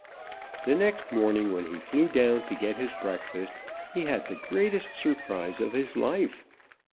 "The next morning when he flew down to get his breakfast, he had the greatest surprise of his life.